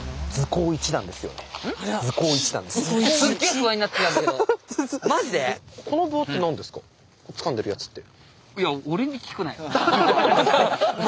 つかんでるやつって。